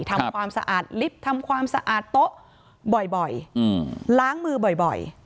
ทำความสะอาดลิฟต์ทำความสะอาดโต๊ะบ่อยล้างมือบ่อย